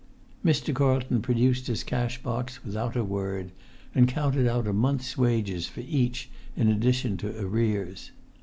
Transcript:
Mr. Carlton produced his cash box without a word, and counted out a month's wages for each in addition to arrears.